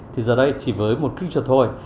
thì giờ đây chỉ với một click through thôi